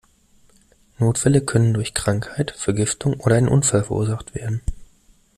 Notfälle können durch Krankheit, Vergiftung oder einen Unfall verursacht werden.